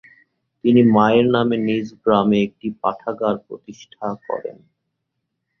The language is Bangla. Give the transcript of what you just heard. তিনি মায়ের নামে নিজ গ্রামে একটি পাঠাগার প্রতিষ্ঠা করেন।